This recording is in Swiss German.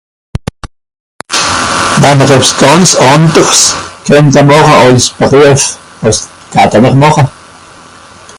Wann'r ebbs gànz ànders kennta màcha àls Beruef, wàs datte-n-r màcha.